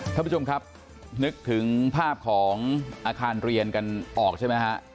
ท่านผู้ชมครับนึกถึงภาพของอาคารเรียนกันออกใช่ไหมฮะ